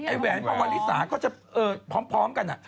ไอแวนเพราะว่าวาลิสาก็จะพร้อมกันอะ